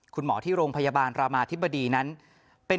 คุณหมอที่โรงพยาบาลรามาธิบดีนั้น